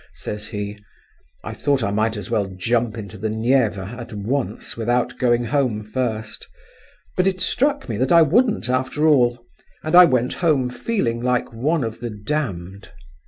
says he. I thought I might as well jump into the Neva at once without going home first; but it struck me that I wouldn't, after all, and I went home feeling like one of the damned."